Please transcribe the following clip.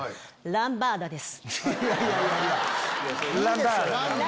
ランバーダです。